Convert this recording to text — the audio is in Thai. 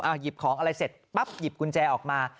หยิบของอะไรเสร็จปั๊บหยิบกุญแจออกมา